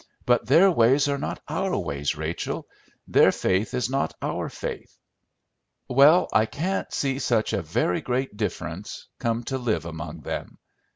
But their ways are not our ways, Rachel; their faith is not our faith." "Well, I can't see such a very great difference, come to live among them.